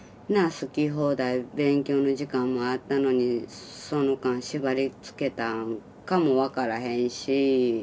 好き放題勉強の時間もあったのにその間縛りつけたんかも分からへんし。